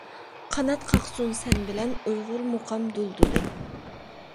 قانات قاقسۇن سەن بىلەن، ئۇيغۇر مۇقام دۇلدۇلى.